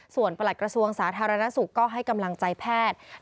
ส่วนประหลัดกระทรวงสาธารณสุขก็ให้กำลังใจแพทย์